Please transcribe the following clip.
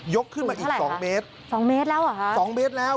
ขึ้นมาอีกสองเมตรสองเมตรแล้วเหรอคะสองเมตรแล้ว